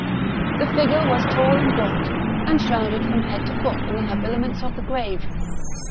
The figure was tall and gaunt, and shrouded from head to foot in the habiliments of the grave.